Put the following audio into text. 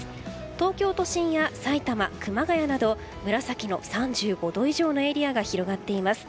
東京都心やさいたま、熊谷など紫の３５度以上のエリアが広がっています。